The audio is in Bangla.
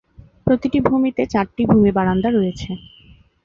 প্রতিটি ভূমিতে চারটি ভূমি বারান্দা রয়েছে।